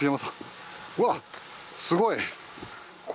うわっすごい。